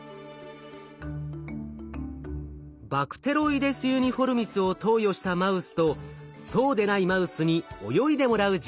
バクテロイデス・ユニフォルミスを投与したマウスとそうでないマウスに泳いでもらう実験。